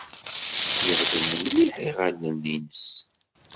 Jehden mliḥ yiɣallen-nnes.